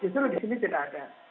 justru di sini tidak ada